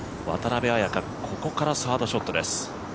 渡邉彩香、ここからサードショットです。